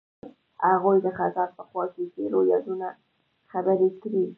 هغوی د خزان په خوا کې تیرو یادونو خبرې کړې.